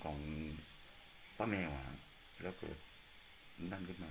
ของป้าแมวแล้วเห็นนั่งนะ